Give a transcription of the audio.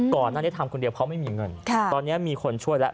ก่อนหน้านี้ทำคนเดียวเพราะไม่มีเงินตอนนี้มีคนช่วยแล้ว